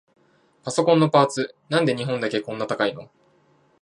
パソコンのパーツ、なんで日本だけこんな高いの？